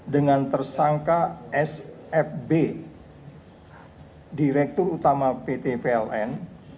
dengan tersangka sfb direktur utama pt pln